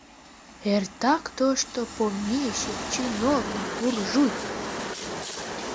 Эртак тошто помещик, чиновник, буржуй!